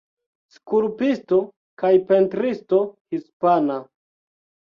Skulptisto kaj pentristo hispana.